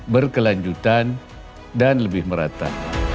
berkelanjutan dan lebih merata